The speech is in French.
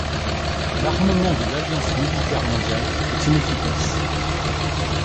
L'armement de l'Alliance Militaire Mondiale est inefficace.